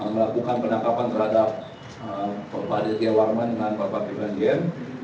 melakukan penangkapan terhadap bapak aditya warman dan bapak bipanjil